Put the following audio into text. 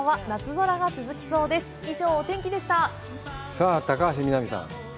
さあ、高橋みなみさん